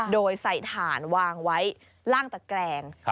โดยใส่ถ่านวางไว้ล่างตะแกรง